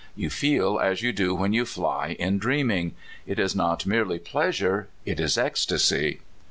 You feel as you do when you fly in dreaming. It is not merely pleas ure ; it is ecstacy.